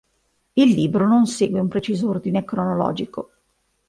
Il libro non segue un preciso ordine cronologico.